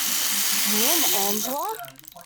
Me and Angela?